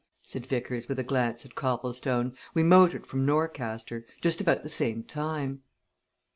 said Vickers with a glance at Copplestone. "We motored from Norcaster just about the same time."